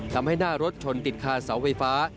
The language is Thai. ทำให้หน้ารถชนติดคาเสาไฟฟ้า